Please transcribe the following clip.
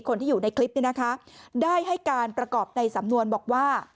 คนที่อยู่ในคลิปนี้นะคะได้ให้การประกอบในสำนวนบอกว่า